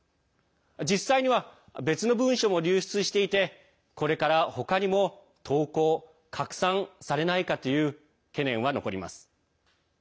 実際には別の文書も流出していてこれから他にも投稿拡散されないかという懸念は残ります。